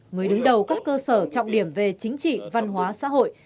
người đứng đầu các cơ sở trọng điểm về chính trị văn hóa xã hội